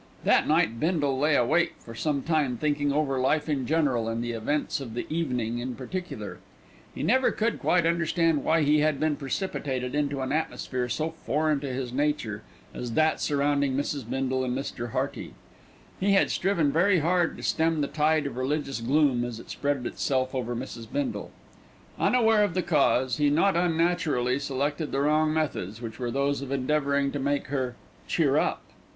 That night Bindle lay awake for some time thinking over life in general and the events of the evening in particular. He never could quite understand why he had been precipitated into an atmosphere so foreign to his nature as that surrounding Mrs. Bindle and Mr. Hearty. He had striven very hard to stem the tide of religious gloom as it spread itself over Mrs. Bindle. Unaware of the cause, he not unnaturally selected the wrong methods, which were those of endeavouring to make her "cheer up."